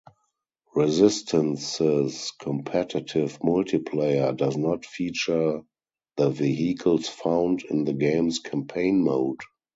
"Resistance"'s competitive multiplayer does not feature the vehicles found in the game's Campaign mode.